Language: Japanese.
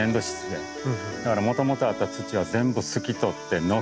だからもともとあった土は全部すき取ってのけてですね。